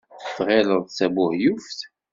Tɣileḍ d tabuheyyuft.